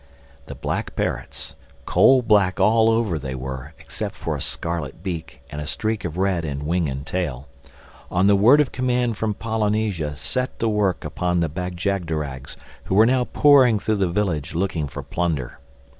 The Black Parrots (coal black all over, they were—except for a scarlet beak and a streak of red in wing and tail) on the word of command from Polynesia set to work upon the Bag jagderags who were now pouring through the village looking for plunder.